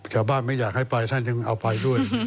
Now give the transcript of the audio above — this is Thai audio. ชาวบ้านไม่อยากให้ไปท่านยังเอาไปด้วย